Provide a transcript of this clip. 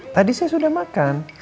tadi saya sudah makan